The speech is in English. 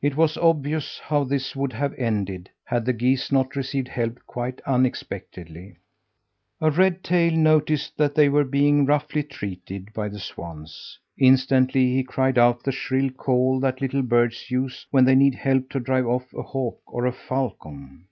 It was obvious how this would have ended had the geese not received help quite unexpectedly. A red tail noticed that they were being roughly treated by the swans. Instantly he cried out the shrill call that little birds use when they need help to drive off a hawk or a falcon.